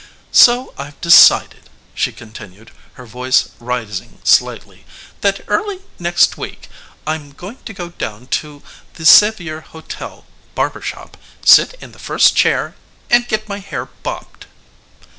"So I've decided," she continued, her voice rising slightly, "that early next week I'm going down to the Sevier Hotel barber shop, sit in the first chair, and get my hair bobbed."